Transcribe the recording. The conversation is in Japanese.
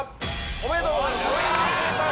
おめでとうございます！